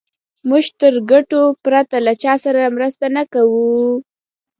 موږ تر ګټو پرته له چا سره مرسته نه کوو.